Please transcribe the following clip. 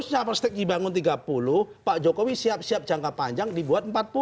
sejak perspek dibangun tiga puluh pak jokowi siap siap jangka panjang dibuat empat puluh